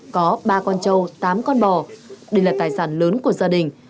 có ba con trâu tám con bò đây là tài sản lớn của gia đình